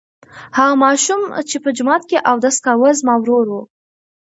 هغه ماشوم چې په جومات کې اودس کاوه زما ورور و.